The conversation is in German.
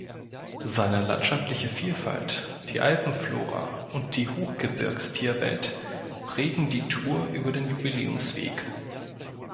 Seine landschaftliche Vielfalt, die Alpenflora und die Hochgebirgs-Tierwelt prägen die Tour über den Jubiläumsweg.